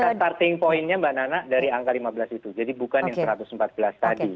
ada starting pointnya mbak nana dari angka lima belas itu jadi bukan yang satu ratus empat belas tadi